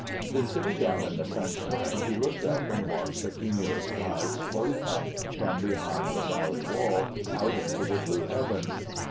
Then sitting down in the sunshine, he looked up and watched the cumulus clouds float up from behind the Valley wall out into the blue heavens.